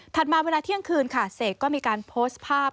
มาเวลาเที่ยงคืนค่ะเสกก็มีการโพสต์ภาพ